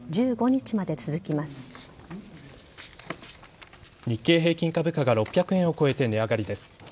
日経平均株価が６００円を超えて値上がりです。